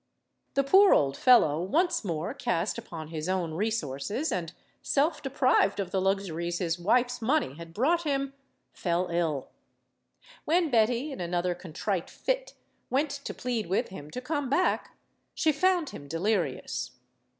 The poor old fellow, once more cast upon his own resources, and self deprived of the luxuries his wife's money had brought him, fell ill. When Betty, in another contrite fit, went to plead with him to come back, she found him delirious.